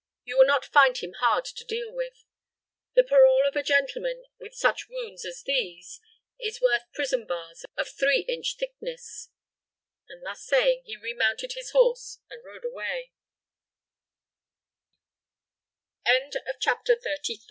You will not find him hard to deal with. The parole of a gentleman with such wounds as these is worth prison bars of three inch thickness;" and thus saying, he remounted his horse and rode